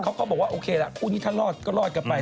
เขาก็บอกว่าโอเคล่ะคู่นี้ถ้ารอดก็รอดกันไป